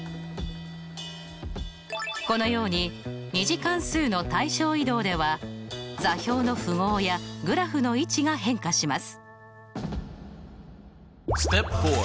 このように２次関数の対称移動では座標の符号やグラフの位置が変化します。